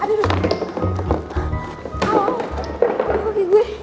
aduh kaget gue